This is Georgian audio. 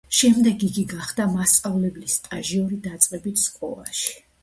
შემდეგ იგი გახდა მასწავლებლის სტაჟიორი დაწყებით სკოლაში.